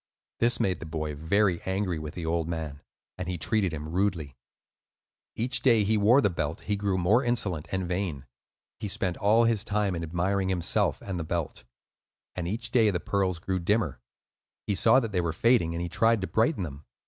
This made the boy very angry with the old man, and he treated him rudely. Each day that he wore the belt he grew more insolent and vain. He spent all his time in admiring himself and the belt. And each day the pearls grew dimmer. He saw that they were fading, and he tried to brighten them.